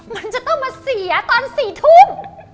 มันจะต้องมาเสียตอน๔ทุ่ม